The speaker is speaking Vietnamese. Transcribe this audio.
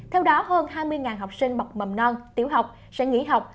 theo đó hơn hai mươi học sinh bậc mầm non tiểu học sẽ nghỉ học